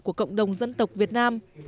của cộng đồng dân tộc việt nam